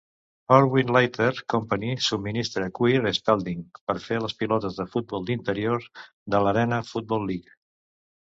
Horween Leather Company subministra cuir a Spalding per fer les pilotes de futbol d'interior de l'Arena Football League.